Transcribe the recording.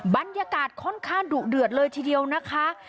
บรรยากาศค่อนข้างดุเดือดเลยทีเดียวนะคะ